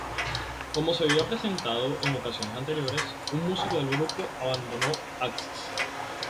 Como se había presentado en ocasiones anteriores, un músico del grupo abandonó Axxis.